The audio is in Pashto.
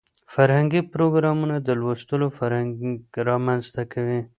فرهنګي پروګرامونه د لوستلو فرهنګ رامنځته کوي.